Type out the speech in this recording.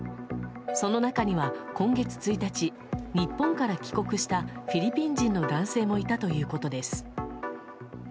その中には、今月１日日本から帰国したフィリピン人の男性もいたということです。